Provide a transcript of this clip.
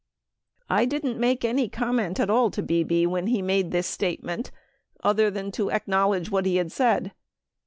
I didn't make any comment at. all to Bebe when he made this statement other than to acknowledge what he had said.